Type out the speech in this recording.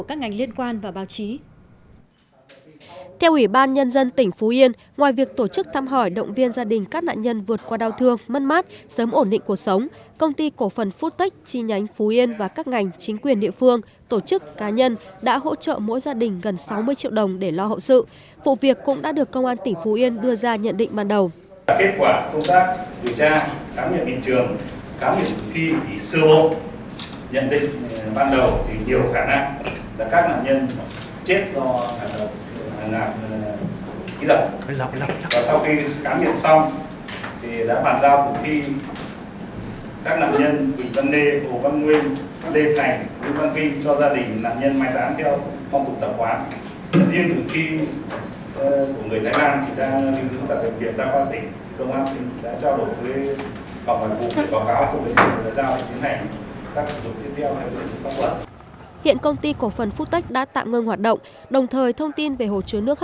các nhân dân tỉnh phú yên đã được công an tỉnh phú yên ngoài việc tổ chức thăm hỏi động viên gia đình các nạn nhân vượt qua đau thương mất mát sớm ổn định cuộc sống công ty cổ phần phút tích chi nhánh phú yên và các ngành chính quyền địa phương tổ chức cá nhân đã đưa ra nhận định ban đầu